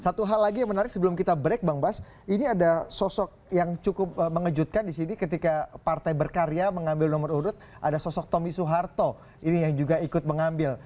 satu hal lagi yang menarik sebelum kita break bang bas ini ada sosok yang cukup mengejutkan di sini ketika partai berkarya mengambil nomor urut ada sosok tommy soeharto ini yang juga ikut mengambil